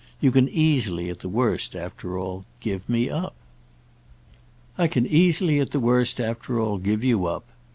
You can easily, at the worst, after all, give me up." "I can easily at the worst, after all, give you up."